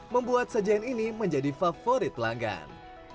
membuat sajian ini menjadi favorit pelanggan